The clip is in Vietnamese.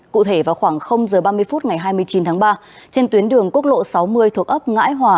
cụ thể vào khoảng h ba mươi phút ngày hai mươi chín tháng ba trên tuyến đường quốc lộ sáu mươi thuộc ấp ngãi hòa